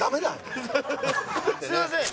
すみません！